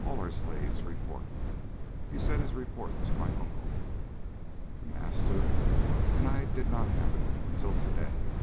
All our slaves report. He sent his report to my uncle, The Master, and I did not have it until to day.